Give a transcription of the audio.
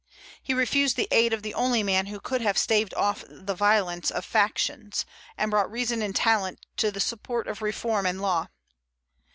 He refused the aid of the only man who could have staved off the violence of factions, and brought reason and talent to the support of reform and law.